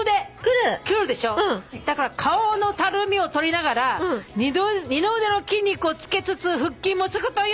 だから顔のたるみを取りながら二の腕の筋肉をつけつつ腹筋もつくという。